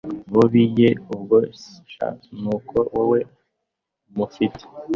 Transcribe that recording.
bobi yeeeeh! ubwo sha nuko wowe umufite